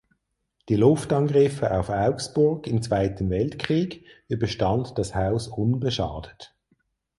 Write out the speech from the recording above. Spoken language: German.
Die Luftangriffe auf Augsburg im Zweiten Weltkrieg überstand das Haus unbeschadet.